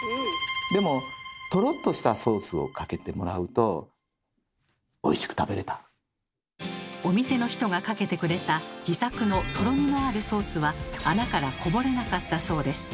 でもお店の人がかけてくれた自作のとろみのあるソースは穴からこぼれなかったそうです。